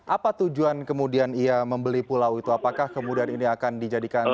apa tujuan kemudian ia membeli pulau itu apakah kemudian ini akan dijadikan